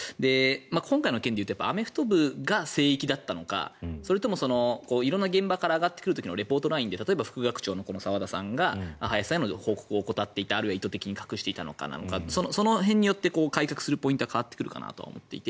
今回の件でいうとアメフト部が聖域だったのかそれとも色んな現場から上がってくる時のリポートラインで例えば副学長の澤田さんが林さんへの報告を怠っていたあるいは意図的に隠していたのかその辺によって改革のポイントが変わってくる気がして。